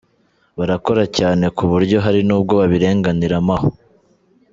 Barakora cyane ku buryo hari n’ubwo babirenganiramo aho